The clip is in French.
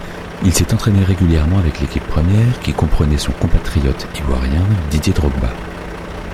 Il s'est entraîné régulièrement avec l'équipe première, qui comprenait son compatriote ivoirien Didier Drogba.